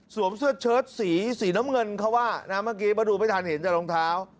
เสื้อเชิดสีสีน้ำเงินเขาว่านะเมื่อกี้มาดูไม่ทันเห็นแต่รองเท้า